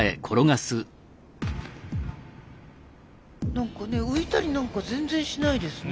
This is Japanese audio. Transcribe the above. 何かね浮いたりなんか全然しないですね。